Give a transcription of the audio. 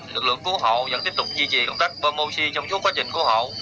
lực lượng cứu hộ vẫn tiếp tục duy trì công tác pomoci trong suốt quá trình cứu hộ